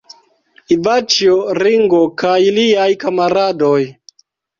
Ivaĉjo Ringo kaj liaj kamaradoj.